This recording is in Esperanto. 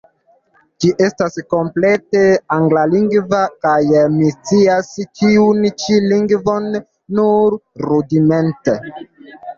Ĝi estas komplete anglalingva – kaj mi scias tiun ĉi lingvon nur rudimente.